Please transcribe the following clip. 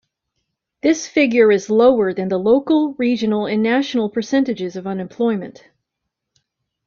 This figure is lower than the local, regional and national percentages of unemployment.